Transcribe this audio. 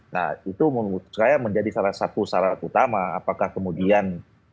nah itu menurut saya menjadi salah satu syarat utama apakah kemudian